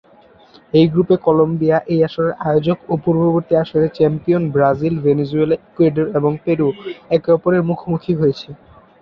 এই গ্রুপে কলম্বিয়া, এই আসরের আয়োজক ও পূর্ববর্তী আসরের চ্যাম্পিয়ন ব্রাজিল, ভেনেজুয়েলা, ইকুয়েডর এবং পেরু একে অপরের মুখোমুখি হয়েছে।